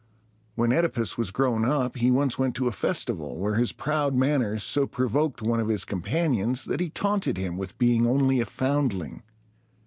When OEdipus was grown up, he once went to a festival, where his proud manners so provoked one of his companions, that he taunted him with being only a foundling.